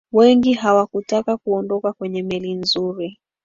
wengi hawakutaka kuondoka kwenye meli nzuri